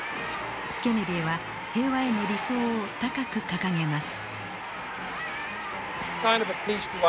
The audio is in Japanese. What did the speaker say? ケネディは平和への理想を高く掲げます。